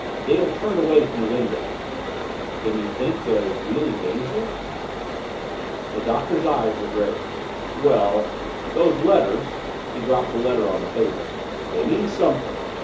Dale turned away from the window. "Then you think there is really danger?" The Doctor's eyes were grave. "Well those letters " he dropped the letter on the table. "They mean something.